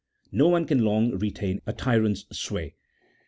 No one can long retain a tyrant's sway.